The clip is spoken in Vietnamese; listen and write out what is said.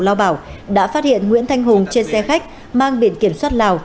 lao bảo đã phát hiện nguyễn thanh hùng trên xe khách mang biển kiểm soát lào